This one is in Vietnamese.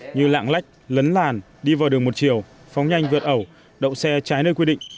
như lạng lách lấn làn đi vào đường một chiều phóng nhanh vượt ẩu đậu xe trái nơi quy định